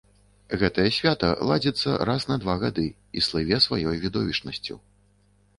Гэтае свята ладзіцца раз на два гады і слыве сваёй відовішчнасцю.